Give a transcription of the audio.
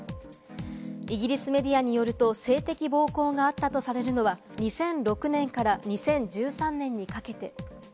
イギリスメディアによると性的暴行があったとされるのは、２００６年から２０１３年にかけて。